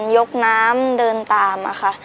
ยกน้ำเดินตามอะค่ะ